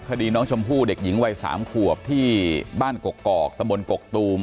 คดีน้องชมพู่เด็กหญิงวัย๓ขวบที่บ้านกกอกตะบนกกตูม